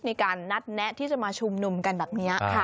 มีการนัดแนะที่จะมาชุมนุมกันแบบนี้